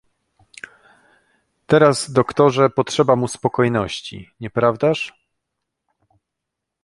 "Teraz, doktorze, potrzeba mu spokojności, nieprawdaż?"